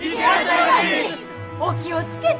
お気を付けて！